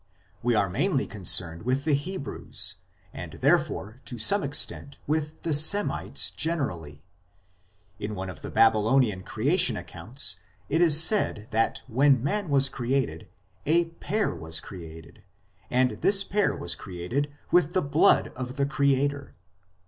We are mainly concerned with the Hebrews, and there fore to some extent with the Semites generally. In one of the Babylonian creation accounts it is said that when man was created, a " pair " was created, and this pair was created with the blood of the Creator.